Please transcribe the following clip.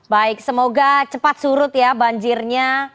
baik semoga cepat surut ya banjirnya